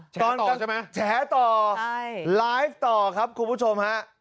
ตอนต่อใช่ไหมแฉต่อไลฟ์ต่อครับคุณผู้ชมฮะ